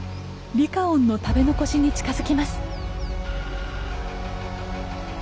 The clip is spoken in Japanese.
リカオンの食べ残しに近づきます。